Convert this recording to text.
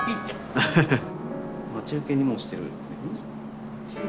待ち受けにもしてる。